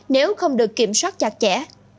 nếu không được kiểm soát chặt chẽ